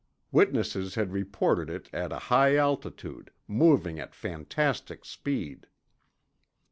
Witnesses had reported it at a high altitude, moving at fantastic speed.